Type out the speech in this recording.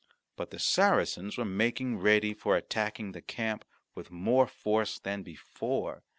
But the Saracens were making ready for attacking the camp with more force than before.